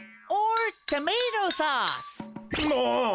もう！